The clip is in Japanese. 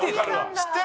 知ってる？